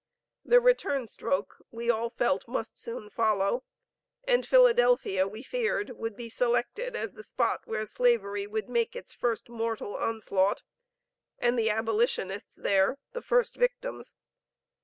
The return stroke we all felt must soon follow, and Philadelphia, we feared, would be selected as the spot where Slavery would make its first mortal onslaught, and the abolitionists there, the first victims.